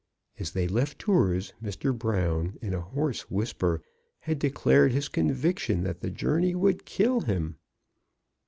As they left Tours, Mr. Brown, in a hoarse whisper, had declared his conviction that the journey would kill him.